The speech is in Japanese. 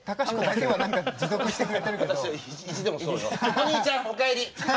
お兄ちゃんお帰り！